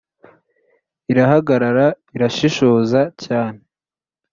irahagarara irashishoza cyne